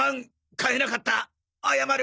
買えなかった謝る。